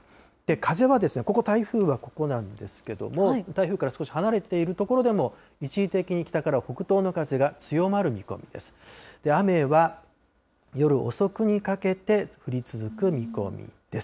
風はここ、台風はここなんですけれども、台風から少し離れている所でも、一時的に北から北東の風が強まる見込みです。